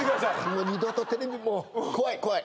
もう二度とテレビもう怖い怖い！